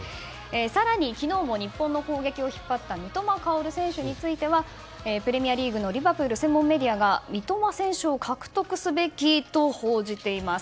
更に、昨日も日本の攻撃を引っ張った三笘薫選手についてはプレミアリーグのリバプール専門メディアが三笘選手を獲得すべきと報じています。